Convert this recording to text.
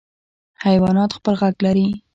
حیوانات خپل غږ لري.